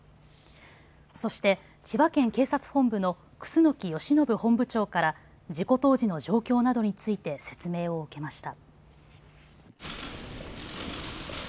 そして、千葉県警察本部の楠芳伸本部長から事故当時の状況などについて説明を受けました。